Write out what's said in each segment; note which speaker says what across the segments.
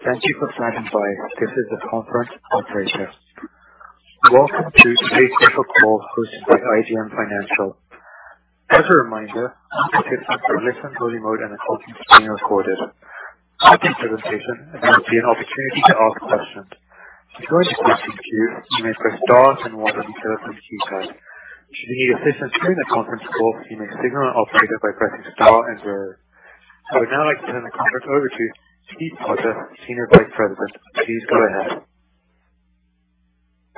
Speaker 1: Thank you for standing by. This is the conference operator. Welcome to today's special call hosted by IGM Financial. As a reminder, participants are in listen-only mode and this call is being recorded. This presentation will be an opportunity to ask questions. If you're in the conference queue, you may press star one if you would like to ask a question. Should you need assistance during the conference call, you may signal an operator by pressing star zero. I would now like to turn the conference over to Keith Potter, Senior Vice President. Please go ahead.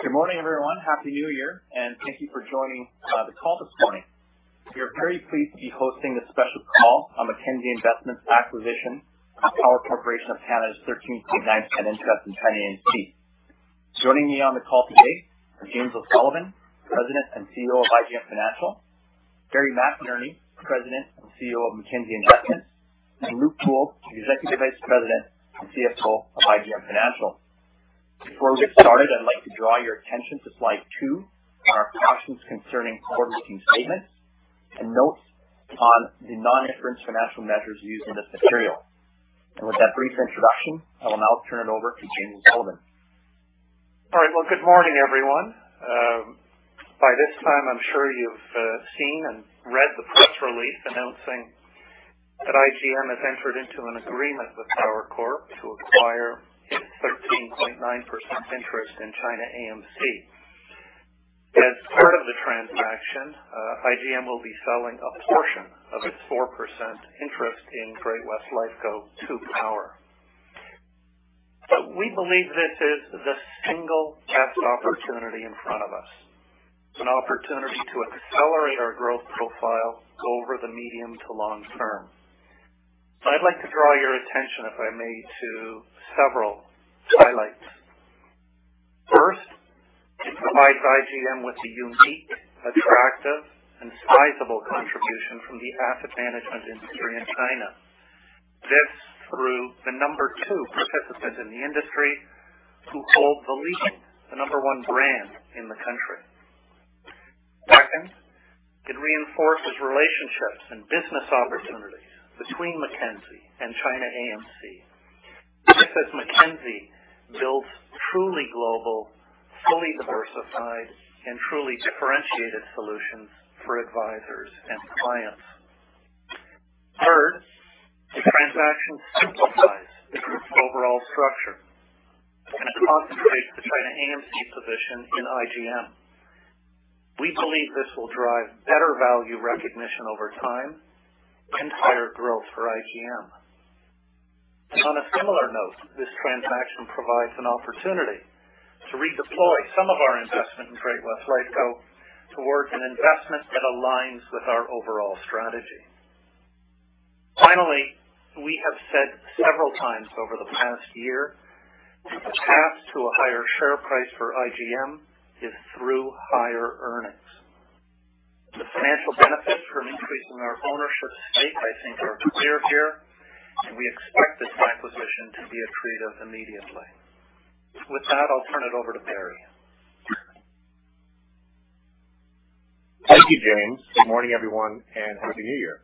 Speaker 2: Good morning, everyone. Happy New Year, and thank you for joining the call this morning. We are very pleased to be hosting this special call on Mackenzie Investments' acquisition of Power Corporation of Canada's 13.9% interest in ChinaAMC. Joining me on the call today are James O'Sullivan, President and CEO of IGM Financial; Barry McInerney, President and CEO of Mackenzie Investments; and Luke Gould, Executive Vice President and CFO of IGM Financial. Before we get started, I'd like to draw your attention to slide two on our cautions concerning forward-looking statements and notes on the non-IFRS financial measures used in this material. With that brief introduction, I will now turn it over to James O'Sullivan.
Speaker 3: All right. Well, good morning, everyone. By this time, I'm sure you've seen and read the press release announcing that IGM has entered into an agreement with Power Corp to acquire its 13.9% interest in ChinaAMC. As part of the transaction, IGM will be selling a portion of its 4% interest in Great-West Lifeco to Power. We believe this is the single best opportunity in front of us, an opportunity to accelerate our growth profile over the medium to long term. I'd like to draw your attention, if I may, to several highlights. First, it provides IGM with a unique, attractive, and sizable contribution from the asset management industry in China. This through the number two participant in the industry who holds the lead, the number one brand in the country. Second, it reinforces relationships and business opportunities between Mackenzie and ChinaAMC. This is Mackenzie builds truly global, fully diversified, and truly differentiated solutions for advisors and clients. Third, the transaction simplifies the group's overall structure and it concentrates the ChinaAMC position in IGM. We believe this will drive better value recognition over time and higher growth for IGM. On a similar note, this transaction provides an opportunity to redeploy some of our investment in Great-West Lifeco towards an investment that aligns with our overall strategy. Finally, we have said several times over the past year that the path to a higher share price for IGM is through higher earnings. The financial benefits from increasing our ownership stake, I think, are clear here, and we expect this acquisition to be achieved immediately. With that, I'll turn it over to Barry.
Speaker 4: Thank you, James. Good morning, everyone, and happy New Year.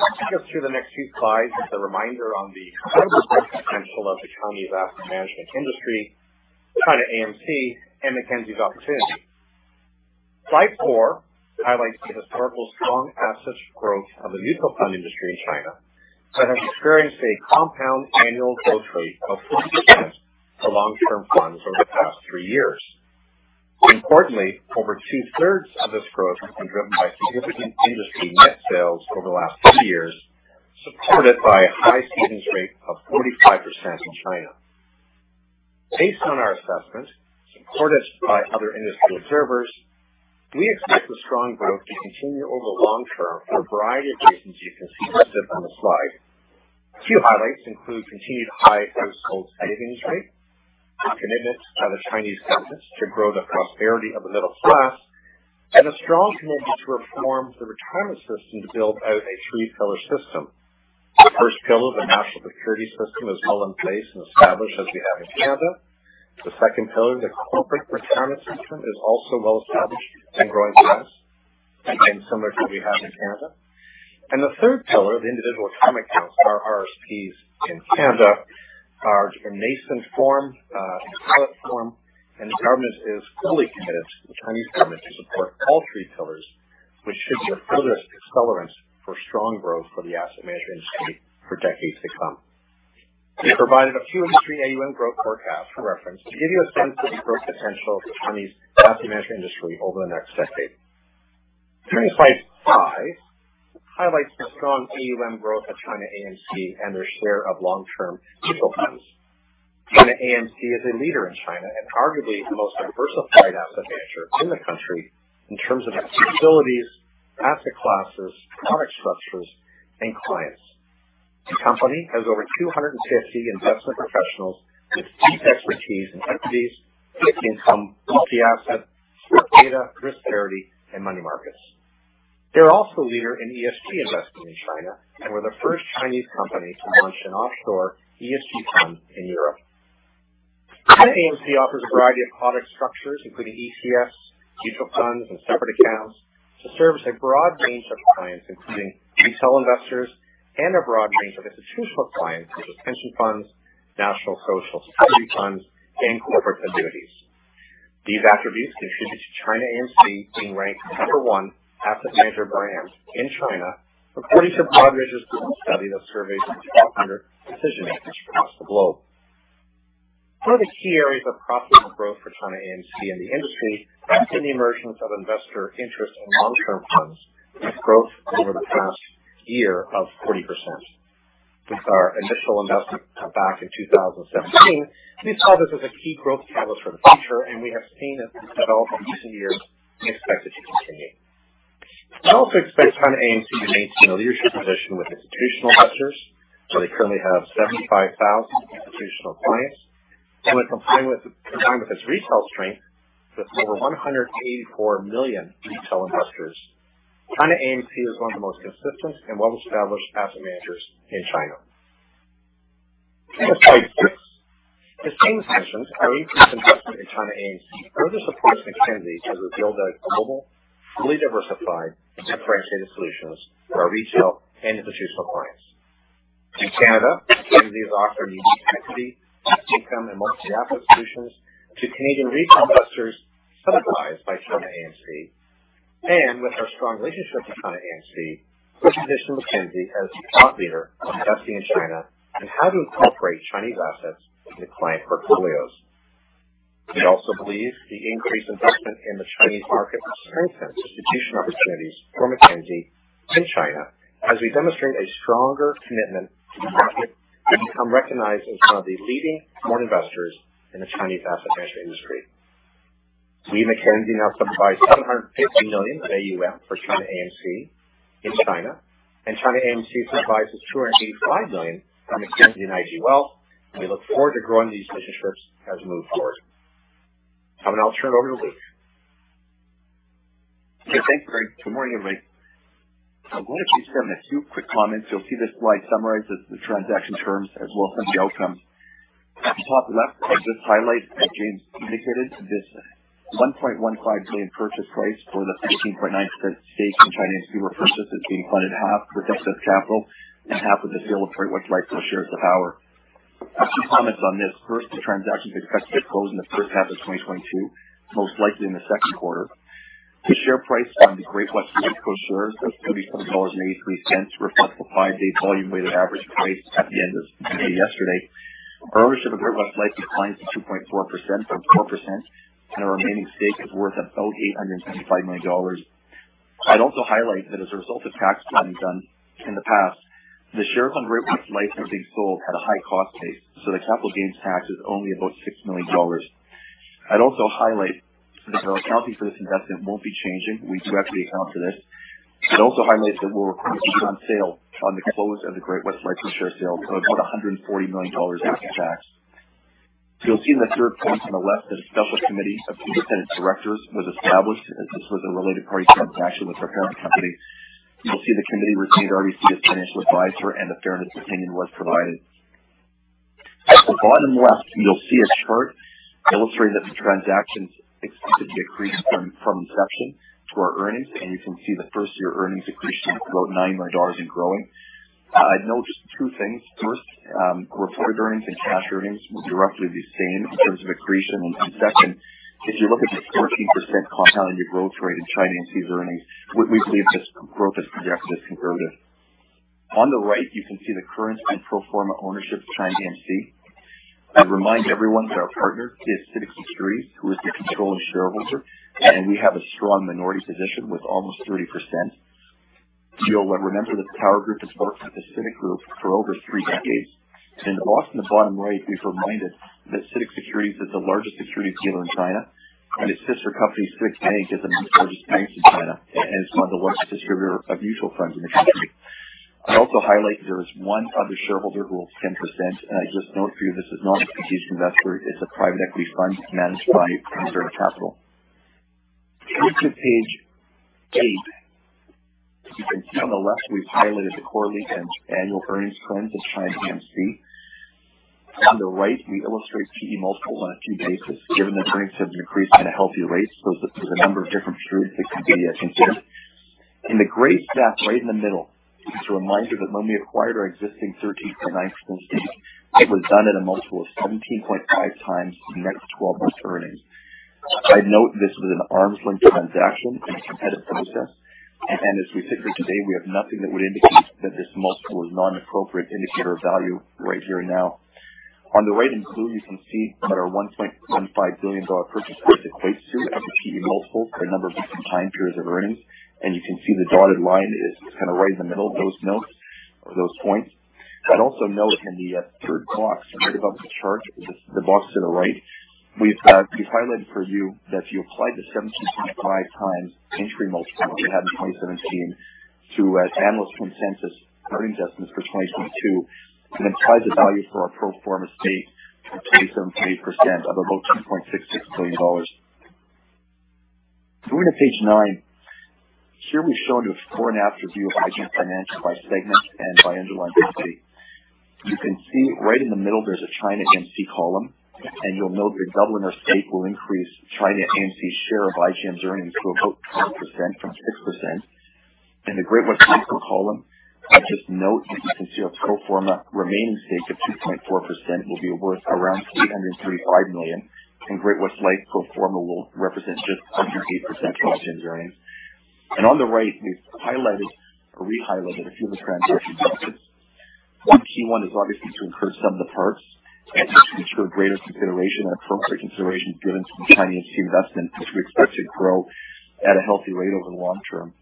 Speaker 4: Let's just hear the next few slides as a reminder on the incredible growth potential of the China investment management industry, ChinaAMC, and Mackenzie's opportunity. Slide four highlights the historical strong asset growth of the mutual fund industry in China that has experienced a compound annual growth rate of 40% for long-term funds over the past three years. Importantly, over two-thirds of this growth has been driven by significant industry net sales over the last three years, supported by a high savings rate of 45% in China. Based on our assessment, supported by other industry observers, we expect the strong growth to continue over the long term for a variety of reasons you can see listed on the slide. Key highlights include continued high household savings rate, a commitment by the Chinese government to grow the prosperity of the middle class, and a strong commitment to reform the retirement system to build out a three-pillar system. The first pillar, the national social security system, is well in place and established as we have in Canada. The second pillar, the corporate retirement system, is also well established and growing fast, again, similar to what we have in Canada. And the third pillar, the individual retirement accounts, our RRSPs in Canada, are in nascent form, in pilot form, and the government is fully committed, the Chinese government, to support all three pillars, which should be a further accelerant for strong growth for the asset management industry for decades to come. We provided a few industry AUM growth forecasts for reference to give you a sense of the growth potential of the Chinese asset management industry over the next decade. Turning to slide five, it highlights the strong AUM growth of ChinaAMC and their share of long-term mutual funds. ChinaAMC is a leader in China and arguably the most diversified asset manager in the country in terms of its facilities, asset classes, product structures, and clients. The company has over 250 investment professionals with deep expertise in equities, fixed income, multi-asset, smart beta, risk parity, and money markets. They're also a leader in ESG investing in China and were the first Chinese company to launch an offshore ESG fund in Europe. ChinaAMC offers a variety of product structures, including ETFs, mutual funds, and separate accounts, to service a broad range of clients, including retail investors and a broad range of institutional clients, such as pension funds, national social security funds, and corporate annuities. These attributes contribute to ChinaAMC being ranked number one asset manager brand in China, according to a Broadridge study that surveyed 1,200 decision makers across the globe. One of the key areas of profitable growth for ChinaAMC in the industry has been the emergence of investor interest in long-term funds, with growth over the past year of 40%. With our initial investment back in 2017, we saw this as a key growth catalyst for the future, and we have seen it develop in recent years and expect it to continue. We also expect ChinaAMC to maintain a leadership position with institutional investors, where they currently have 75,000 institutional clients. When combined with its retail strength, with over 184 million retail investors, ChinaAMC is one of the most consistent and well-established asset managers in China. At Slide six, as James mentioned, our increased investment in ChinaAMC further supports Mackenzie to build their global, fully diversified, differentiated solutions for our retail and institutional clients. In Canada, Mackenzie is offering unique equity, income, and multi-asset solutions to Canadian retail investors sub-advised by ChinaAMC. With our strong relationship with ChinaAMC, we position Mackenzie as a thought leader on investing in China and how to incorporate Chinese assets into client portfolios. We also believe the increased investment in the Chinese market will strengthen distribution opportunities for Mackenzie in China as we demonstrate a stronger commitment to the market and become recognized as one of the leading foreign investors in the Chinese asset management industry. We, Mackenzie, now sub-advise 750 million of AUM for ChinaAMC in China, and ChinaAMC sub-advises 285 million of Mackenzie and IG Wealth. We look forward to growing these relationships as we move forward. I'll now turn it over to Luke.
Speaker 5: Okay. Thanks, Barry. Good morning, everybody. I'm going to just give a few quick comments. You'll see this slide summarizes the transaction terms as well as some of the outcomes. At the top left, I'll just highlight, as James indicated, this 1.15 billion purchase price for the 13.9% stake in ChinaAMC we've purchased is being funded half with excess capital and half with the sale of Great-West Lifeco shares to Power. A few comments on this. First, the transactions expected to close in the first half of 2022, most likely in the second quarter. The share price on the Great-West Lifeco shares is CAD 37.83, reflects the five-day volume-weighted average price at the end of yesterday. Our ownership of Great-West Lifeco declines to 2.4% from 4%, and our remaining stake is worth about 875 million dollars. I'd also highlight that as a result of tax planning done in the past, the shares on Great-West Lifeco being sold had a high cost base, so the capital gains tax is only about 6 million dollars. I'd also highlight that our accounting for this investment won't be changing. We do have to be accounting for this. I'd also highlight that we'll report the gain on the sale upon the close of the Great-West Lifeco share sale, so about 140 million dollars after tax. You'll see in the third point on the left that a special committee of two independent directors was established as this was a related party transaction with our parent company. You'll see the committee retained RBC as financial advisor, and the fairness opinion was provided. At the bottom left, you'll see a chart illustrating that the transactions expected to decrease from inception to our earnings, and you can see the first-year earnings accretion of about 9 million dollars and growing. I'd note just two things. First, reported earnings and cash earnings will be roughly the same in terms of accretion. And second, if you look at the 14% compounding growth rate in ChinaAMC's earnings, we believe this growth is projected as conservative. On the right, you can see the current and pro forma ownership of ChinaAMC. I'd remind everyone that our partner is CITIC Securities, who is the controlling shareholder, and we have a strong minority position with almost 30%. You'll remember that the Power Group has worked with the CITIC Group for over three decades. Also in the bottom right, we've reminded that CITIC Securities is the largest securities dealer in China, and its sister company, CITIC Bank, is among the largest banks in China and is one of the largest distributors of mutual funds in the country. I'd also highlight there is one other shareholder who holds 10%, and I just note for you this is not a strategic investor. It's a private equity fund managed by Guolian Capital. If you look at page eight, you can see on the left we've highlighted the quarterly and annual earnings trends of ChinaAMC. On the right, we illustrate PE multiple on a few bases. Given that earnings have been increased at a healthy rate, so there's a number of different periods that can be considered. In the gray stack right in the middle, it's a reminder that when we acquired our existing 13.9% stake, it was done at a multiple of 17.5x the next 12-month earnings. I'd note this was an arm's length transaction in a competitive process, and as we sit here today, we have nothing that would indicate that this multiple is not an appropriate indicator of value right here and now. On the right in blue, you can see that our 1.15 billion dollar purchase price equates to, after PE multiples, for a number of different time periods of earnings, and you can see the dotted line is kind of right in the middle of those notes or those points. I'd also note in the third box right above the chart, the box to the right, we've highlighted for you that if you applied the 17.5x entry multiple that we had in 2017 to analyst consensus earnings estimates for 2022, it implies a value for our pro forma stake of 27.8% of about CAD 2.66 billion. Going to page nine, here we've shown a before and after view of IGM Financial by segment and by underlying company. You can see right in the middle there's a ChinaAMC column, and you'll note that doubling our stake will increase ChinaAMC's share of IGM's earnings to about 20% from 6%. In the Great-West Lifeco column, I'd just note that you can see our pro forma remaining stake of 2.4% will be worth around 835 million, and Great-West Lifeco pro forma will represent just 28% of IGM's earnings. On the right, we've highlighted or re-highlighted a few of the transaction objectives. One key one is obviously to incur some of the perks and to ensure greater consideration and appropriate consideration given to the ChinaAMC investment, which we expect to grow at a healthy rate over the long term.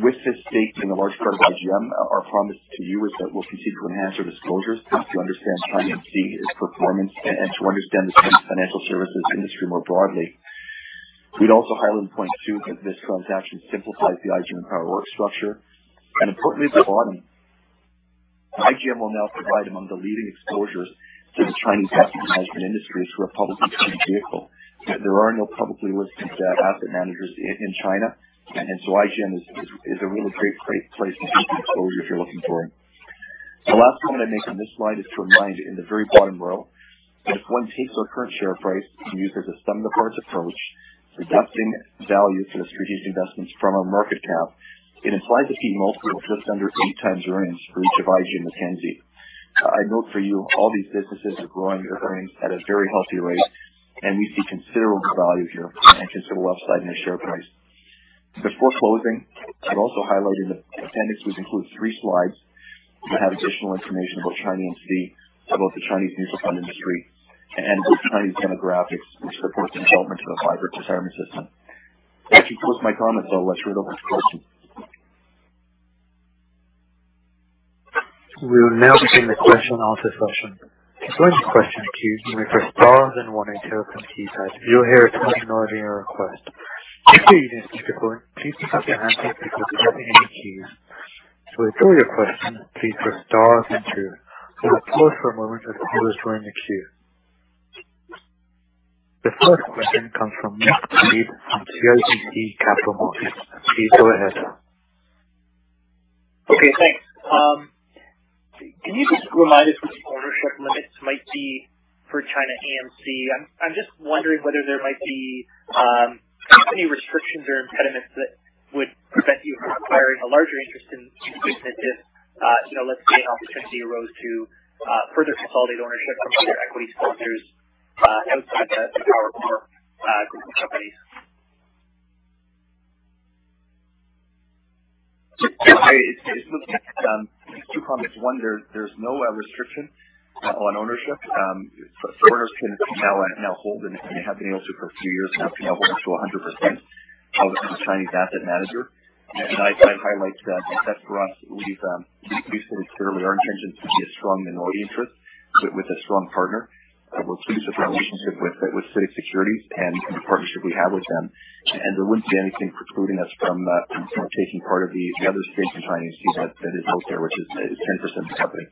Speaker 5: With this stake in a large part of IGM, our promise to you is that we'll continue to enhance our disclosures to help you understand ChinaAMC's performance and to understand the China financial services industry more broadly. We'd also highlight in point two that this transaction simplifies the IGM and Power work structure. And importantly, at the bottom, IGM will now provide among the leading exposures to the Chinese asset management industry through a publicly traded vehicle. There are no publicly listed asset managers in China, and so IGM is a really great place to get the exposure if you're looking for it. The last comment I make on this slide is to remind in the very bottom row that if one takes our current share price and uses a sum of the parts approach, reducing value for the strategic investments from our market cap, it implies the PE multiple of just under 8x earnings for each of IGM and Mackenzie. I'd note for you all these businesses are growing their earnings at a very healthy rate, and we see considerable value here and considerable upside in their share price. Before closing, I'd also highlight in the appendix, which includes three slides, we have additional information about ChinaAMC, about the Chinese mutual fund industry, and about Chinese demographics, which supports the development of a vibrant retirement system. That concludes my comments, so I'll let you read over to questions.
Speaker 1: We will now begin the question-answer session. To join the question queue, you may press star then one until complete. You'll hear a. If you're using a speakerphone, please keep up your hands up because there will be another queue. So if you're in your question, please press star then two. We'll pause for a moment as the queue is joined in the queue. The first question comes from Nik Priebe from CIBC Capital Markets. Please go ahead.
Speaker 6: Okay. Thanks. Can you just remind us what the ownership limits might be for ChinaAMC? I'm just wondering whether there might be any restrictions or impediments that would prevent you from acquiring a larger interest in these businesses if, let's say, an opportunity arose to further consolidate ownership from other equity sponsors outside the Power Corp group of companies?
Speaker 5: Yeah. It's a few comments. One, there's no restriction on ownership. Foreigners can now hold, and they have been able to for a few years now, can now hold up to 100% of a Chinese asset manager. And I'd highlight that for us, we've stated clearly our intention to be a strong minority interest with a strong partner. We're pleased with our relationship with CITIC Securities and the partnership we have with them. And there wouldn't be anything precluding us from taking part of the other stake in ChinaAMC that is out there, which is 10% of the company.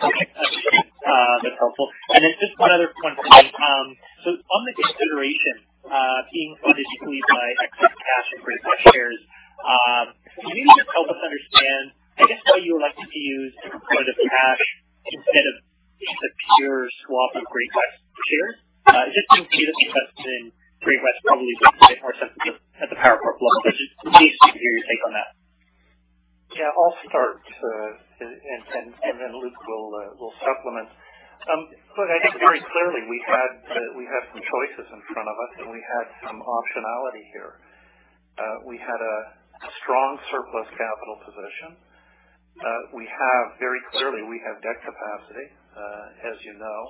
Speaker 6: Okay. That's helpful. And then just one other point for me. So on the consideration being funded solely by excess cash in Great-West shares, can you maybe just help us understand, I guess, why you elected to use a component of cash instead of just a pure swap of Great-West shares? It just seems to me that investing in Great-West probably makes it a bit more sensible at the Power Corp level. But just in case we can hear your take on that.
Speaker 3: Yeah. I'll start, and then Luke will supplement. Look, I think very clearly we had some choices in front of us, and we had some optionality here. We had a strong surplus capital position. Very clearly, we have debt capacity, as you know.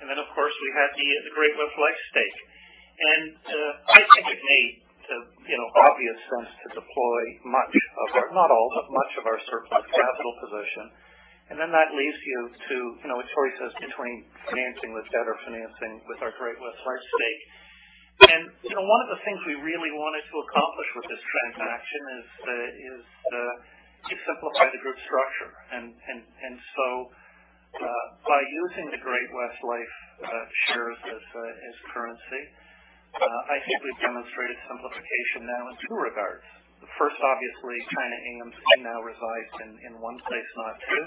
Speaker 3: And then, of course, we had the Great-West Lifeco stake. And I think it made obvious sense to deploy much of our, not all, but much of our surplus capital position. And then that leads you to a choice of entering financing with better financing with our Great-West Lifeco stake. And one of the things we really wanted to accomplish with this transaction is to simplify the group structure. And so by using the Great-West Lifeco shares as currency, I think we've demonstrated simplification now in two regards. First, obviously, ChinaAMC now resides in one place, not two.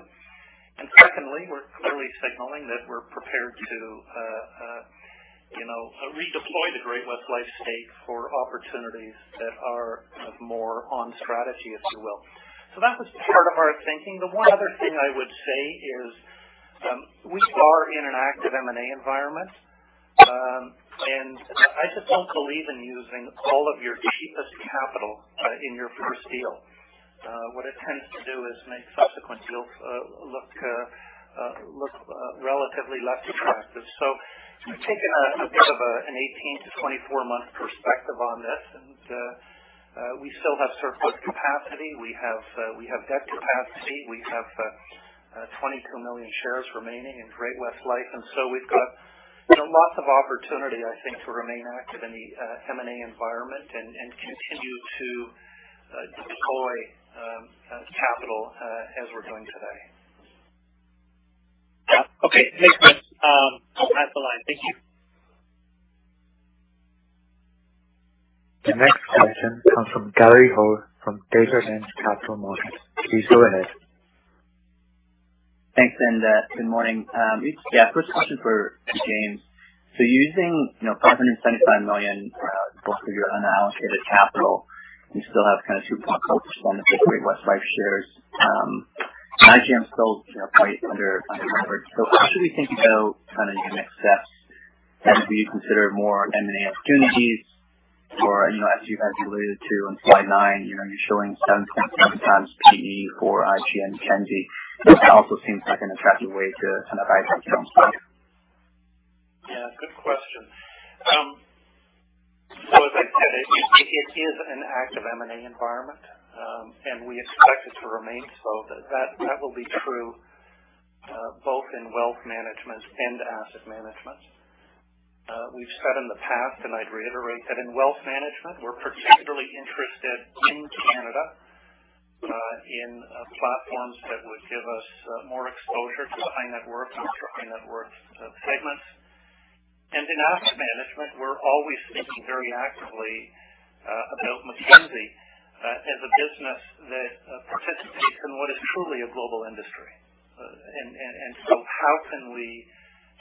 Speaker 3: Secondly, we're clearly signaling that we're prepared to redeploy the Great-West Lifeco stake for opportunities that are more on strategy, if you will. That was part of our thinking. The one other thing I would say is we are in an active M&A environment, and I just don't believe in using all of your cheapest capital in your first deal. What it tends to do is make subsequent deals look relatively less attractive. We've taken a bit of an 18-24-month perspective on this, and we still have surplus capacity. We have debt capacity. We have 22 million shares remaining in Great-West Lifeco. So we've got lots of opportunity, I think, to remain active in the M&A environment and continue to deploy capital as we're doing today.
Speaker 6: Okay. Makes sense. I'll pass the line. Thank you.
Speaker 1: The next question comes from Gary Ho from Desjardins Capital Markets. Please go ahead.
Speaker 7: Thanks, and good morning. Yeah. First question for James. So using 575 million both of your unallocated capital, you still have kind of 2.4% of the Great-West Lifeco shares. IGM's still quite. So how should we think about kind of your next steps? And do you consider more M&A opportunities? Or as you've alluded to on slide nine, you're showing 7.7x PE for IGM Mackenzie. It also seems like an attractive way to kind of buy some shares.
Speaker 3: Yeah. Good question. So as I said, it is an active M&A environment, and we expect it to remain so. That will be true both in wealth management and asset management. We've said in the past, and I'd reiterate that in wealth management, we're particularly interested in Canada, in platforms that would give us more exposure to the high-net-worth and ultra-high-net-worth segments. In asset management, we're always thinking very actively about Mackenzie as a business that participates in what is truly a global industry. So how can we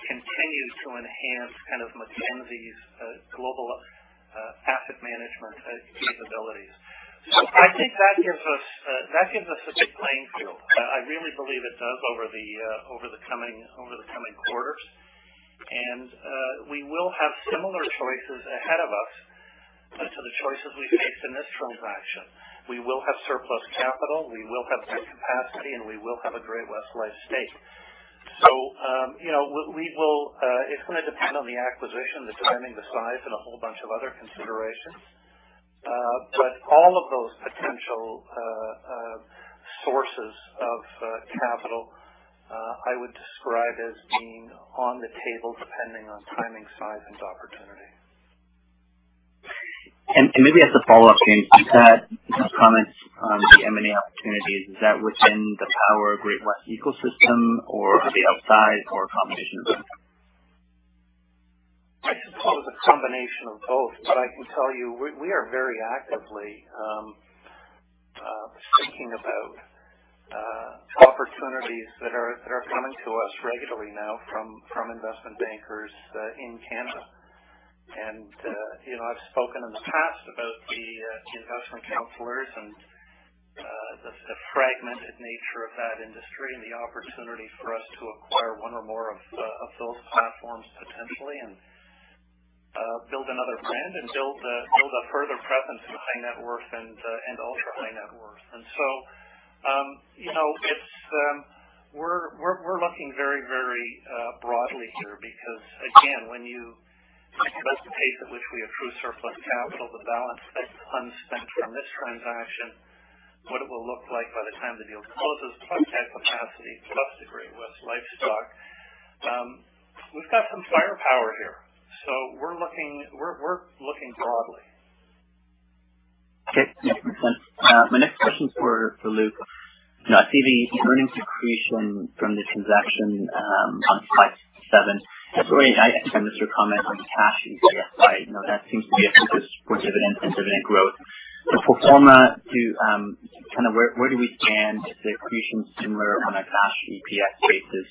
Speaker 3: continue to enhance kind of Mackenzie's global asset management capabilities? So I think that gives us a good playing field. I really believe it does over the coming quarters. We will have similar choices ahead of us to the choices we faced in this transaction. We will have surplus capital. We will have that capacity, and we will have a Great-West Lifeco stake. So it's going to depend on the acquisition, the timing, the size, and a whole bunch of other considerations. But all of those potential sources of capital I would describe as being on the table depending on timing, size, and opportunity.
Speaker 7: Maybe as a follow-up, James, you had some comments on the M&A opportunities. Is that within the Power Great-West ecosystem, or are they outside, or a combination of them?
Speaker 3: I suppose a combination of both. But I can tell you we are very actively thinking about opportunities that are coming to us regularly now from investment bankers in Canada. And I've spoken in the past about the investment counselors and the fragmented nature of that industry and the opportunity for us to acquire one or more of those platforms potentially and build another brand and build a further presence in high-net-worth and ultra-high-net-worth. And so we're looking very, very broadly here because, again, when you take the pace at which we accrue surplus capital, the balance that's unspent from this transaction, what it will look like by the time the deal closes, plus tech capacity, plus the Great-West Lifeco, we've got some firepower here. So we're looking broadly.
Speaker 7: Okay. That makes sense. My next question's for Luke. I see the earnings accretion from the transaction on slide seven. Sorry, I misheard your comment on the cash EPS, right? That seems to be a focus for dividends and dividend growth. So pro forma, kind of where do we stand? Is the accretion similar on a cash EPS basis,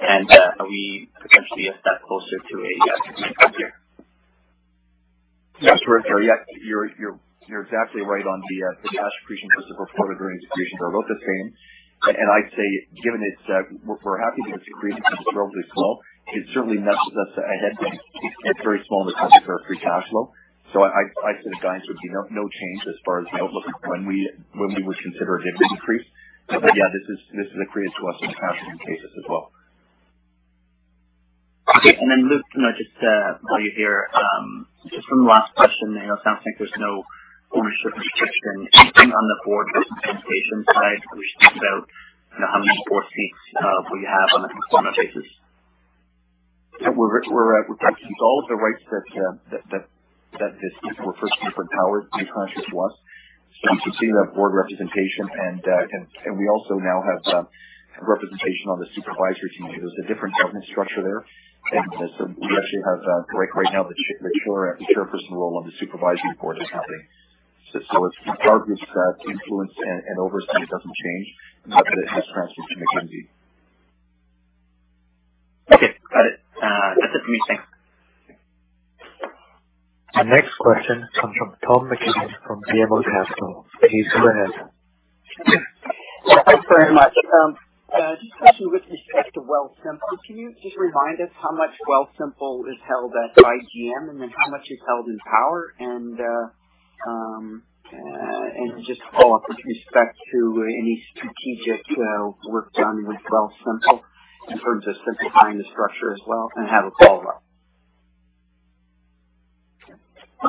Speaker 7: and are we potentially a step closer to a next year?
Speaker 5: Yes, we're here. Yeah. You're exactly right on the cash accretion versus the pro forma earnings accretion are about the same. I'd say, given we're happy because the accretion is relatively slow, it certainly nudges us ahead when it gets very small in the context of our free cash flow. I'd say the guidance would be no change as far as the outlook when we would consider a dividend increase. Yeah, this is accreted to us on a cash accretion basis as well.
Speaker 7: Okay. And then, Luke, just to have you here, just one last question. It sounds like there's no ownership restriction. Anything on the board representation side? We just talked about how many board seats will you have on a pro forma basis?
Speaker 5: We're taking all of the rights that were first given from Power in the transaction to us. So you can see that board representation, and we also now have representation on the supervisory team. There's a different governance structure there. So we actually have, right now, the chairperson role on the supervisory board of the company. So it's our group's influence and oversight; it doesn't change, but it is transferred to Mackenzie.
Speaker 7: Okay. Got it. That's it for me. Thanks.
Speaker 1: Our next question comes from Tom MacKinnon from BMO Capital Markets. Please go ahead.
Speaker 8: Thanks very much. Just question with respect to Wealthsimple. Can you just remind us how much Wealthsimple is held at IGM, and then how much is held in Power? And just follow-up with respect to any strategic work done with Wealthsimple in terms of simplifying the structure as well? And I have a follow-up.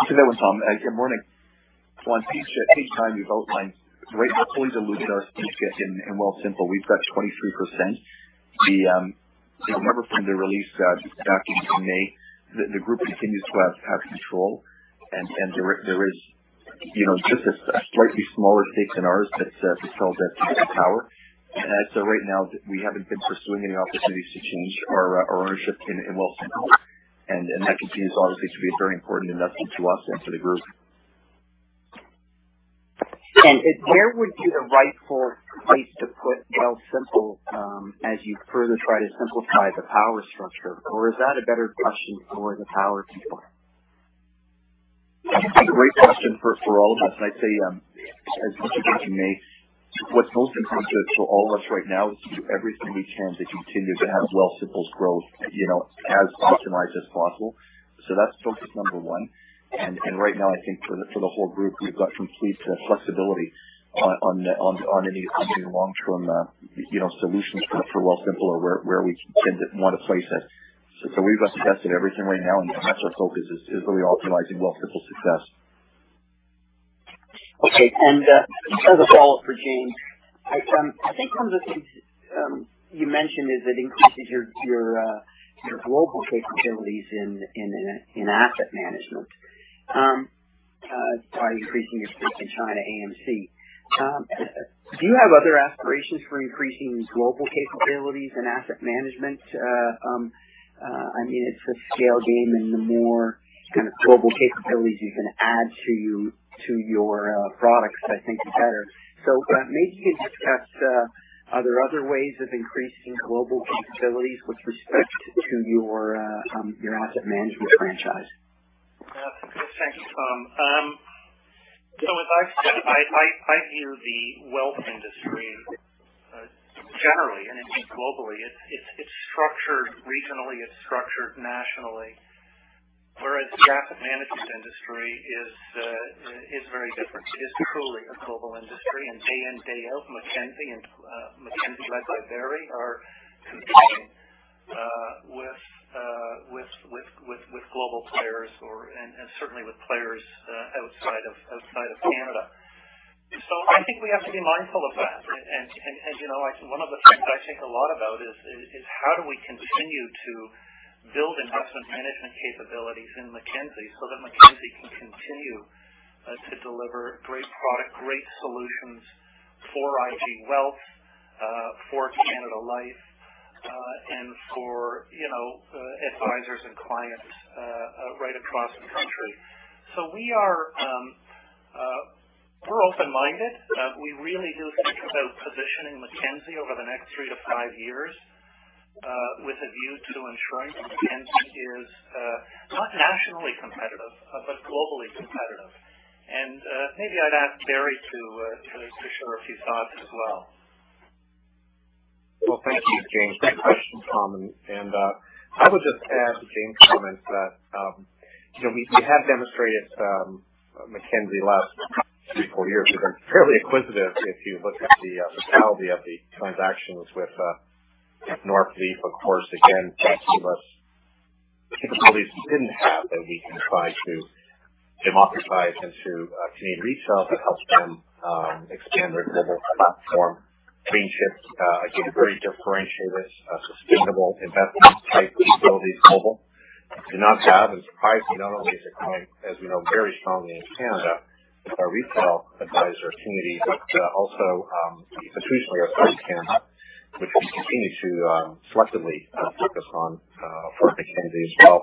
Speaker 5: Good morning. Please check your mute line. Right before we diluted our stake in Wealthsimple, we've got 23%. It was in the release document in May. The group continues to have control, and there is just a slightly smaller stake than ours that's held by Power. And so right now, we haven't been pursuing any opportunities to change our ownership in Wealthsimple. And that continues, obviously, to be a very important investment to us and to the group.
Speaker 8: Where would be the rightful place to put Wealthsimple as you further try to simplify the Power structure? Or is that a better question for the Power people?
Speaker 5: It's a great question for all of us. I'd say, as much as you may, what's most important to all of us right now is to do everything we can to continue to have Wealthsimple's growth as optimized as possible. So that's focus number one. And right now, I think for the whole group, we've got complete flexibility on any long-term solutions for Wealthsimple or where we want to place it. So we've got the best of everything right now, and that's our focus, is really optimizing Wealthsimple's success.
Speaker 8: Okay. And as a follow-up for James, I think one of the things you mentioned is it increases your global capabilities in asset management by increasing your stake in ChinaAMC. Do you have other aspirations for increasing global capabilities in asset management? I mean, it's a scale game, and the more kind of global capabilities you can add to your products, I think, the better. So maybe you can discuss are there other ways of increasing global capabilities with respect to your asset management franchise?
Speaker 3: Yeah. Thank you, Tom. So as I've said, I view the wealth industry generally, and indeed globally, it's structured regionally. It's structured nationally. Whereas the asset management industry is very different. It is truly a global industry. And day in, day out, Mackenzie and Mackenzie led by Barry are competing with global players, and certainly with players outside of Canada. So I think we have to be mindful of that. And one of the things I think a lot about is how do we continue to build investment management capabilities in Mackenzie so that Mackenzie can continue to deliver great product, great solutions for IG Wealth, for Canada Life, and for advisors and clients right across the country. So we're open-minded. We really do think about positioning Mackenzie over the next three to five years with a view to ensuring that Mackenzie is not nationally competitive but globally competitive. Maybe I'd ask Barry to share a few thoughts as well.
Speaker 4: Well, thank you, James. Great question, Tom. And I would just add to James' comments that we have demonstrated Mackenzie last three, four years has been fairly acquisitive if you look at the totality of the transactions with Northleaf, of course. Again, that gave us capabilities we didn't have that we can try to democratize into Canadian retail that helps them expand their global platform. Greenchip, again, very differentiated, sustainable investment-type capabilities global. We do not have, and surprisingly, not only is it coming, as we know, very strongly in Canada, but our retail advisor community also institutionally our friends in Canada, which we continue to selectively focus on for Mackenzie as well.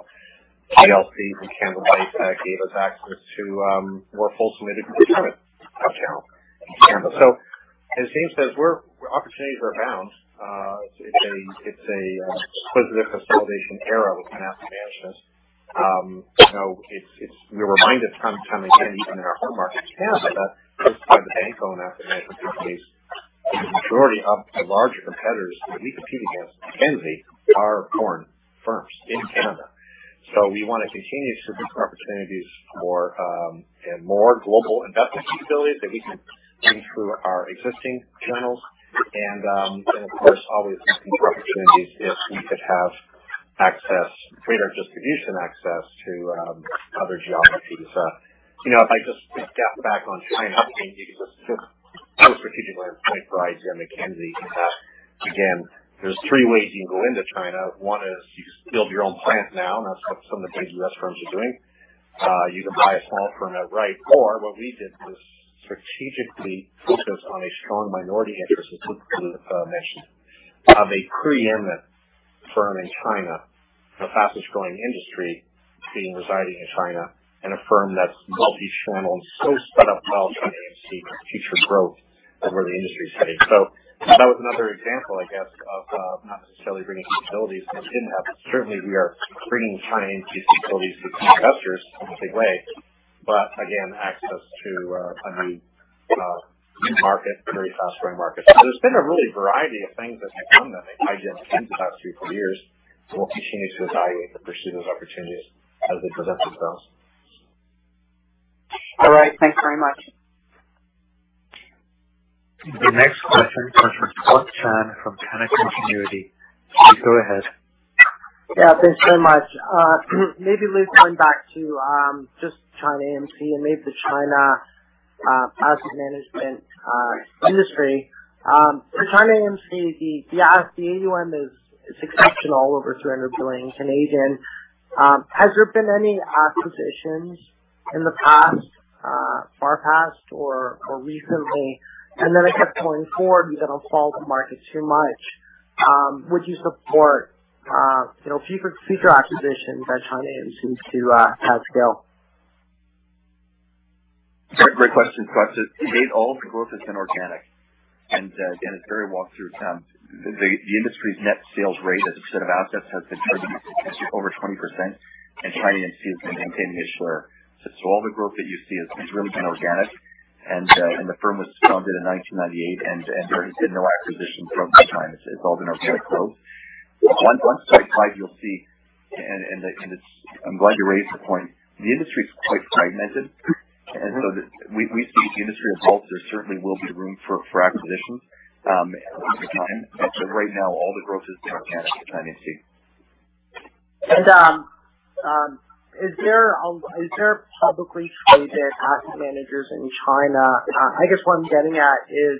Speaker 4: GLC from Canada Life, that gave us access to more fully sub-advised mandates in institutional Canada. So as James says, opportunities abound. It's a positive consolidation era within asset management. We're reminded time and time again, even in our home market in Canada, that most of the bank-owned asset management companies, the majority of the larger competitors that we compete against, Mackenzie, are foreign firms in Canada. So we want to continue to look for opportunities for more global investment capabilities that we can bring through our existing channels. And of course, always looking for opportunities if we could have access, greater distribution access to other geographies. If I just step back on China, I think just from a strategic standpoint for IGM Mackenzie, again, there's three ways you can go into China. One is you just build your own platform now, and that's what some of the big U.S. firms are doing. You can buy a small firm outright. Or what we did was strategically focus on a strong minority interest, as Luke mentioned, a preeminent firm in China, the fastest-growing industry being residing in China, and a firm that's multi-channel and so sped up well from AMC. Future growth and where the industry's heading. So that was another example, I guess, of not necessarily bringing capabilities that we didn't have. Certainly, we are bringing ChinaAMC's capabilities to investors in a big way. But again, access to a new market, a very fast-growing market. So there's been a real variety of things that have come to IGM, Mackenzie the past three, four years. We'll continue to evaluate and pursue those opportunities as they present themselves.
Speaker 8: All right. Thanks very much.
Speaker 1: The next question comes from Scott Chan from Canaccord Genuity. Please go ahead.
Speaker 9: Yeah. Thanks very much. Maybe, Luke, going back to just ChinaAMC and maybe the China asset management industry. For ChinaAMC, the AUM is exceptional, over 300 billion. Has there been any acquisitions in the past, far past, or recently? And then I guess going forward, you don't follow the market too much. Would you support future acquisitions at ChinaAMC to add scale?
Speaker 5: Great question. So I'd say to date, all of the growth has been organic. And again, as Barry walked through, the industry's net sales rate as a percent of assets has been over 20%, and ChinaAMC has been maintaining its share. So all the growth that you see has really been organic. And the firm was founded in 1998, and there has been no acquisition from that time. It's all been organic growth. In 2025, you'll see, and I'm glad you raised the point, the industry's quite fragmented. And so we see the industry evolve. There certainly will be room for acquisitions over time. But right now, all the growth has been organic at ChinaAMC.
Speaker 9: Is there publicly traded asset managers in China? I guess what I'm getting at is,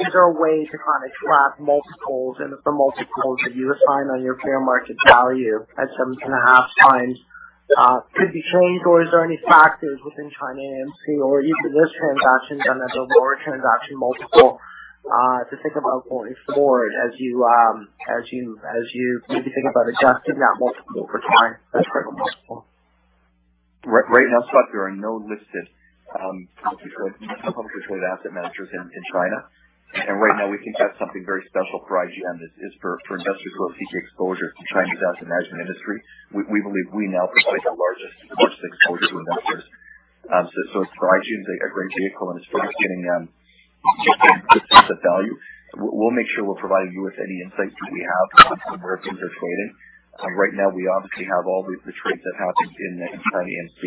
Speaker 9: is there a way to kind of track multiples? If the multiples that you assign on your fair market value at 7.5x could be changed, or is there any factors within ChinaAMC, or even this transaction done as a lower transaction multiple, to think about going forward as you maybe think about adjusting that multiple over time, that trading multiple?
Speaker 5: Right now, as such, there are no listed publicly traded asset managers in China. Right now, we think that's something very special for IGM, is for investors who have sought exposure to China's asset management industry. We believe we now provide the largest market exposure to investors. So for IGM, it's a great vehicle, and it's focusing on just that value. We'll make sure we're providing you with any insights that we have on where things are trading. Right now, we obviously have all the trades that happened in ChinaAMC,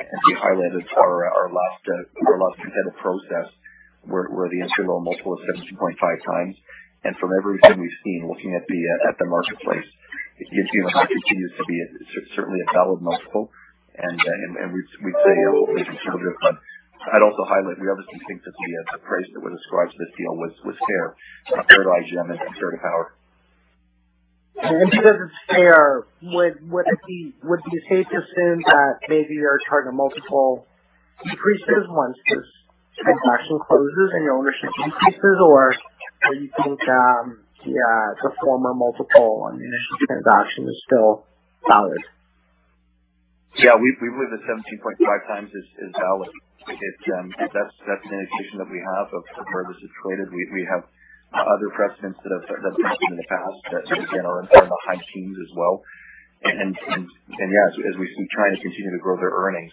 Speaker 5: and we highlighted our last competitive process where the entry multiple was 17.5x. And from everything we've seen, looking at the marketplace, it continues to be certainly a valid multiple. And we'd say hopefully conservative. But I'd also highlight we obviously think that the price that we've ascribed to this deal was fair, fair to IGM and fair to Power.
Speaker 9: Because it's fair, would it be safe to assume that maybe your target multiple decreases once this transaction closes and your ownership increases, or do you think the former multiple on the initial transaction is still valid?
Speaker 5: Yeah. We believe that 17.5x is valid. That's an indication that we have of where this is traded. We have other precedents that have happened in the past that, again, are in the high teens as well. And yeah, as we see China continue to grow their earnings,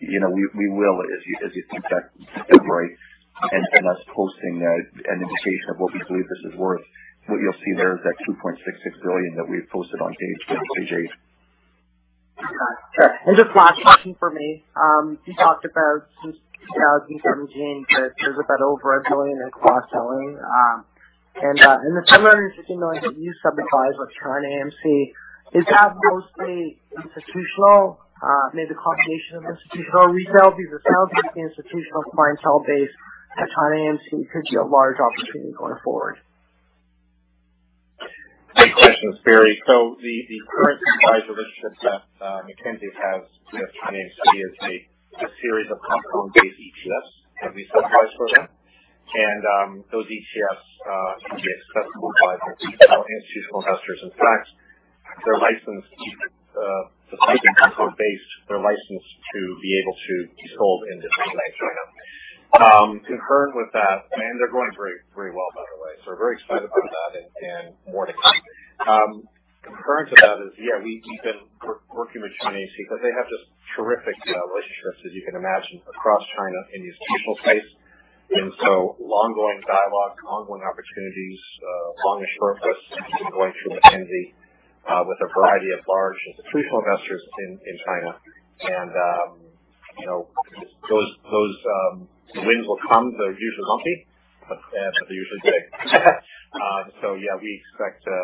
Speaker 5: we will, as you think back. In February, and us posting an indication of what we believe this is worth, what you'll see there is that CAD 2.66 billion that we've posted on page eight.
Speaker 9: Okay. And just last question for me. You talked about some sales from James, but there's about over 1 billion in cross-selling. And the CAD 750 million that you sub-advisory with ChinaAMC, is that mostly institutional, maybe a combination of institutional retail? Because it sounds like the institutional clientele base at ChinaAMC could be a large opportunity going forward.
Speaker 4: Great questions, Barry. So the current advisorship that Mackenzie has with ChinaAMC is a series of compound-based ETFs that we sub-advise for them. And those ETFs can be accessible by institutional investors. In fact, they're licensed to be compound-based. They're licensed to be able to be sold in different ways right now. Concurrent with that, and they're going very well, by the way. So we're very excited about that and more to come. Concurrent to that is, yeah, we've been working with ChinaAMC because they have just terrific relationships, as you can imagine, across China in the institutional space. And so long-going dialogue, ongoing opportunities, long and short lists going through Mackenzie with a variety of large institutional investors in China. And those wins will come. They're usually lumpy, but they're usually big. So yeah, we expect to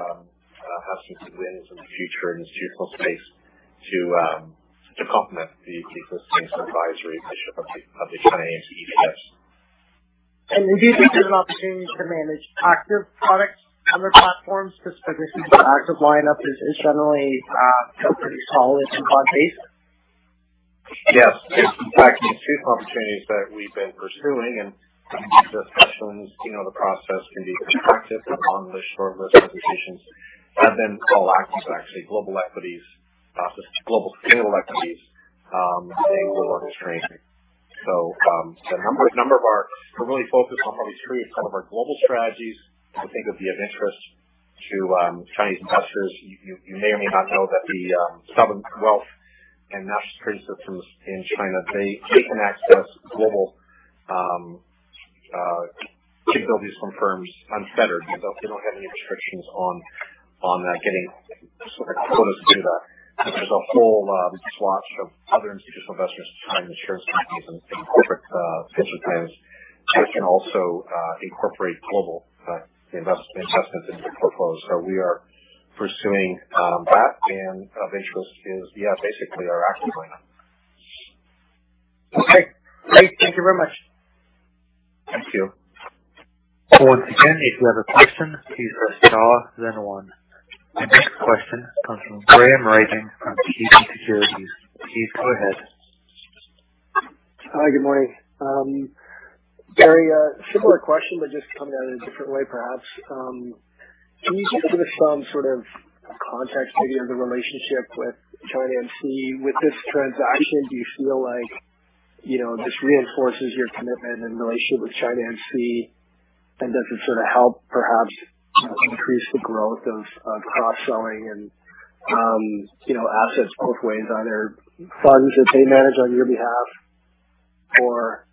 Speaker 4: have some good winds in the future in the institutional space to complement the existing subsidiary initiative of the ChinaAMC ETFs.
Speaker 9: Do you think there's an opportunity to manage active products on their platforms, specifically? Active lineup is generally pretty solid and broad-based.
Speaker 5: Yes. In fact, the institutional opportunities that we've been pursuing and discussions, the process can be pretty active along the short list conversations. Have been all active, actually. Global equities, global sustainable equities, and global industry. So a number of ours, we're really focused on probably three of some of our global strategies that we think would be of interest to Chinese investors. You may or may not know that the Sovereign Wealth and National Social Security Funds in China, they can access global capabilities from firms unfettered. They don't have any restrictions on getting sort of quotas to do that. There's a whole swath of other institutional investors in China, insurance companies and corporate pension plans that can also incorporate global investments into the portfolio. So we are pursuing that, and of interest is, yeah, basically our active lineup.
Speaker 9: Okay. Great. Thank you very much.
Speaker 5: Thank you.
Speaker 1: Once again, if you have a question, please press star, then one. The next question comes from Graham Ryding from TD Securities. Please go ahead.
Speaker 10: Hi. Good morning. Barry, similar question, but just coming at it in a different way, perhaps. Can you just give us some sort of context, maybe of the relationship with ChinaAMC? With this transaction, do you feel like this reinforces your commitment and relationship with ChinaAMC, and does it sort of help, perhaps, increase the growth of cross-selling and assets both ways, either funds that they manage on your behalf or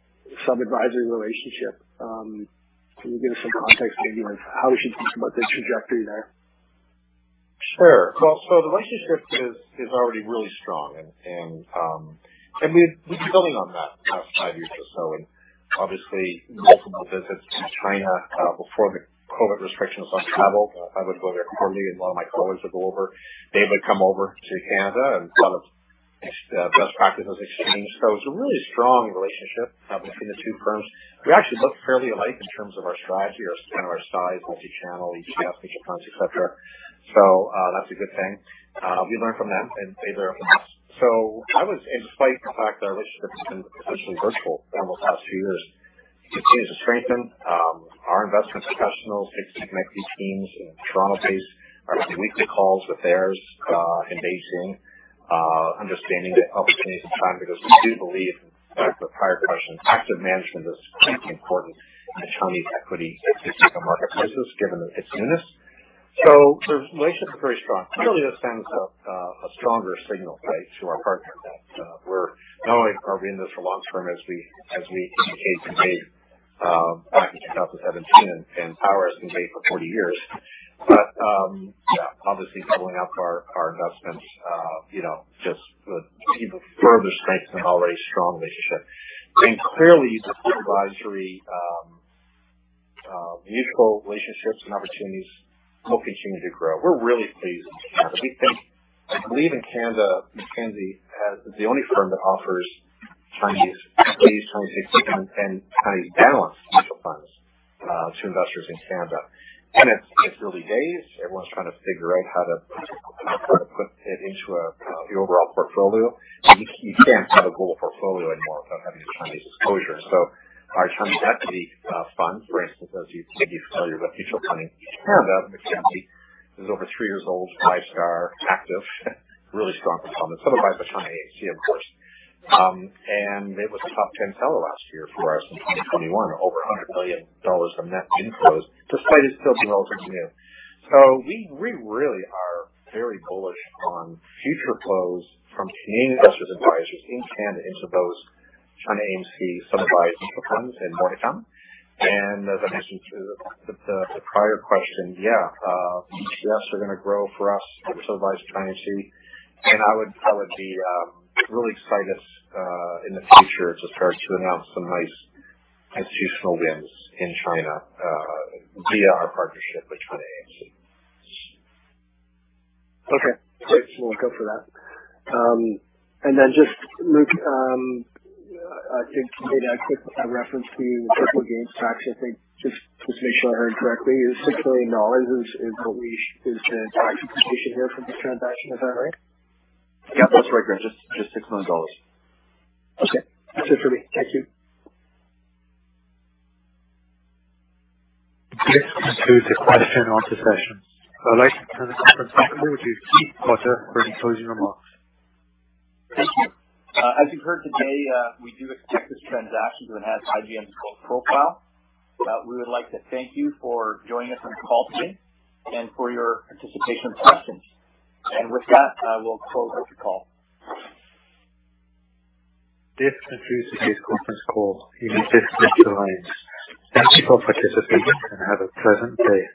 Speaker 10: some advisory relationship? Can you give us some context, maybe, of how we should think about the trajectory there?
Speaker 4: Sure. Well, so the relationship is already really strong. And we've been building on that the past five years or so. And obviously, multiple visits to China before the COVID restrictions on travel. I would go there quarterly, and one of my colleagues would go over. They would come over to Canada and kind of best practices exchange. So it's a really strong relationship between the two firms. We actually look fairly alike in terms of our strategy, our size, multi-channel, ETFs, major funds, etc. So that's a good thing. We learn from them, and they learn from us. So I was, and despite the fact that our relationship has been essentially virtual for almost the last few years, continues to strengthen. Our investment professionals, our six Mackenzie teams in Toronto-based, are having weekly calls with theirs in Beijing, understanding the opportunities in China because we do believe, back to the prior question, active management is critically important in Chinese equity and marketplaces given its newness. So the relationship is very strong. Clearly, that sends a stronger signal to our partner that we're not only are we in this for long-term, as we indicated today back in 2017, and Power has been great for 40 years. But yeah, obviously, doubling up our investments just would further strengthen an already strong relationship. And clearly, the advisory mutual relationships and opportunities will continue to grow. We're really pleased in Canada. We believe in Canada, Mackenzie is the only firm that offers Chinese equities, Chinese equity, and Chinese balanced mutual funds to investors in Canada. And it's early days. Everyone's trying to figure out how to put it into the overall portfolio. You can't have a global portfolio anymore without having a Chinese exposure. Our Chinese equity fund, for instance, as you may be familiar with, mutual fund in Canada, Mackenzie, is over three years old, five-star active, really strong performance, sub-advised by ChinaAMC, of course. It was a top 10 seller last year for us in 2021, over 100 million dollars of net inflows, despite it still being relatively new. We really are very bullish on future flows from Canadian investors and advisors in Canada into those ChinaAMC sub-advised mutual funds and more to come. As I mentioned to the prior question, yeah, ETFs are going to grow for us. We're sub-advised by ChinaAMC. I would be really excited in the future to start to announce some nice institutional wins in China via our partnership with ChinaAMC.
Speaker 10: Okay. Great. We'll go for that. And then just, Luke, I did make a quick reference to the capital gains tax, I think, just to make sure I heard correctly. It was 6 million dollars is the tax implication here from this transaction. Is that right?
Speaker 5: Yeah. That's right, Graham. Just 6 million dollars.
Speaker 10: Okay. That's it for me. Thank you.
Speaker 1: This concludes the question-and-answer session. I'd like to turn the conference back over to Keith Potter for closing remarks.
Speaker 2: Thank you. As you've heard today, we do expect this transaction to enhance IGM's growth profile. We would like to thank you for joining us on the call today and for your participation in the questions. With that, I will close the call.
Speaker 1: This concludes today's conference call. You may disconnect the lines. Thank you for participating and have a pleasant day.